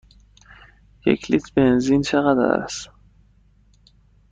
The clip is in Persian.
یک لیتر بنزین چقدر است؟